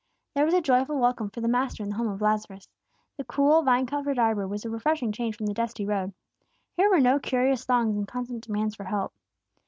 There was a joyful welcome for the Master in the home of Lazarus. The cool, vine covered arbor was a refreshing change from the dusty road. Here were no curious throngs and constant demands for help.